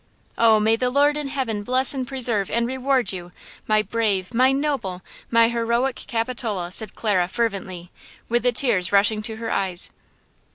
"Oh, may the Lord in heaven bless and preserve and reward you, my brave, my noble, my heroic Capitola!" said Clara, fervently, with the tears rushing to her eyes.